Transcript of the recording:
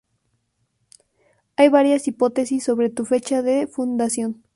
Hay varias hipótesis sobre su fecha de fundación.